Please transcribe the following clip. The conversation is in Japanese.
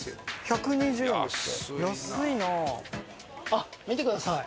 あっ見てください！